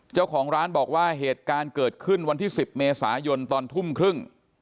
เจ้าของร้านบอกว่าเหตุการณ์เกิดขึ้นวันที่๑๐เมษายนตอนทุ่มครึ่ง